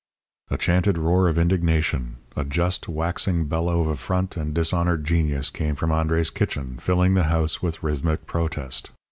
A chanted roar of indignation, a just, waxing bellow of affront and dishonoured genius came from André's kitchen, filling the house with rhythmic protest.